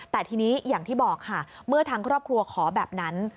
แต่ทีนี้อย่างที่บอกค่ะเมื่อทางครอบครัวขอแบบนั้น